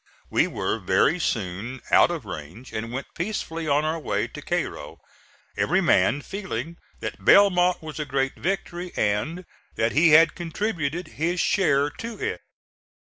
We were very soon out of range and went peacefully on our way to Cairo, every man feeling that Belmont was a great victory and that he had contributed his share to it.